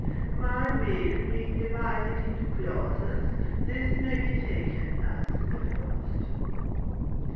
My will being divided into clauses, this may be taken as the first.